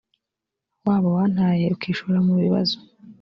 wabo wantaye ukishora mubibazo